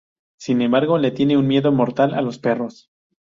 Sin embargo, le tiene un miedo mortal a los perros.